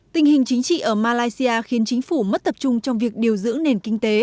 tình hình chính trị ở malaysia khiến chính phủ mất tập trung trong việc điều dưỡng nền kinh tế